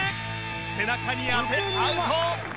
背中に当てアウト。